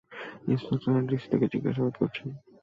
Inspector আর DC তাকে জিজ্ঞাসাবাদ করছেন।